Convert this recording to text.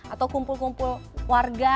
atau kumpul kumpul warga